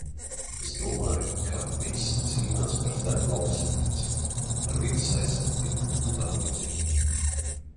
Es domāju, ka visi cīnās par zaļu lauksaimniecību, par vides aizsardzību un tamlīdzīgi.